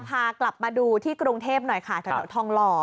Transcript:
พากลับมาดูที่กรุงเทพหน่อยค่ะแถวทองหล่อ